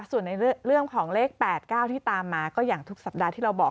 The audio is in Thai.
ส่วนในเรื่องของเลข๘๙ที่ตามมาก็อย่างทุกสัปดาห์ที่เราบอก